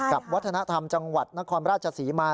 กับวัฒนธรรมจังหวัดนครราชศรีมา